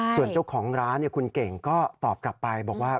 ส่วนเจ้าของร้านคุณเก่งก็ตอบกลับไปบอกว่า